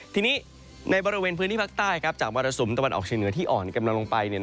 ทีนี้ในบริเวณพื้นที่ภาคใต้จากมรสุมตะวันออกเชียงเหนือที่อ่อนกำลังลงไป